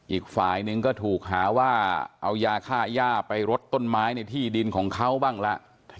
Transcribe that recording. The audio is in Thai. อีกฝ่ายหนึ่งก็ถูกหาว่าเอายาค่าย่าไปรดต้นไม้ในที่ดินของเขาบ้างละ